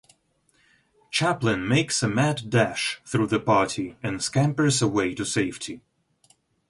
Chaplin makes a mad dash through the party and scampers away to safety.